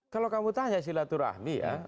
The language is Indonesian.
kalau kamu tanya silaturahmi ya